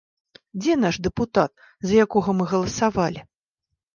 Дзе наш дэпутат, за якога мы галасавалі?